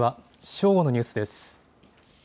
正午のニュースです。